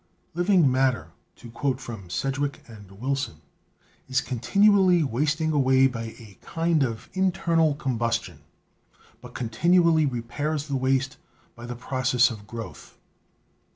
"Living mat ter," to quote from Sedgwick and Wilson, "is continually wasting away by a kind of internal combustion, but con tinually repairs the waste by the process of growth.